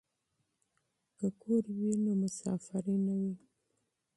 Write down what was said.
که کور وي نو مسافري نه وي.